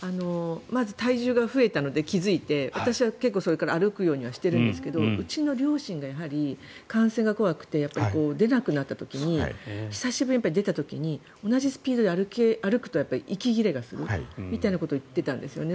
まず体重が増えたので気付いて私は歩くようにしてるんですけどうちの両親が感染が怖くて出なくなった時に久しぶりに出た時に同じスピードで歩くと息切れがするみたいなことを言っていたんですね。